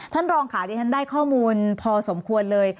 ท่านรองค่ะที่ฉันได้ข้อมูลพอสมควรเลย